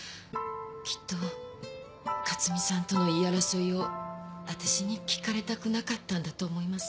きっと克巳さんとの言い争いを私に聞かれたくなかったんだと思います。